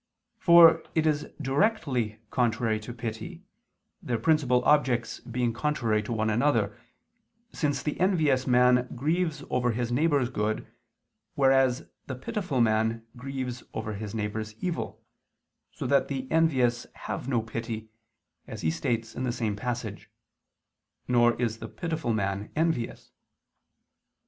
For it is directly contrary to pity, their principal objects being contrary to one another, since the envious man grieves over his neighbor's good, whereas the pitiful man grieves over his neighbor's evil, so that the envious have no pity, as he states in the same passage, nor is the pitiful man envious.